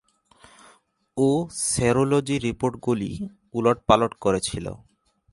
ও serology রিপোর্টগুলি ওলট-পালট করেছিল।